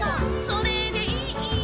「それでいい」